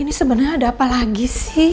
ini sebenarnya ada apa lagi sih